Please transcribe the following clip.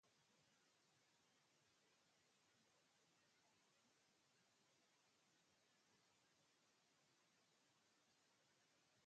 Las ejecuciones normales, con un blanco estacionario, no requerían más que un pelotón.